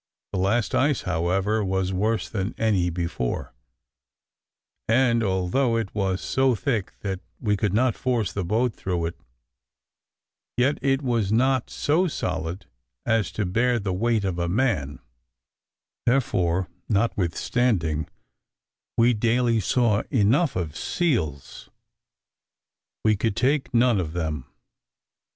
The last ice, however, was worse than any before, and although it was so thick that we could not force the boat through it, yet it was not so solid as to bear the weight of a man; therefore, notwithstanding we daily saw enough of seals, we could take none of them.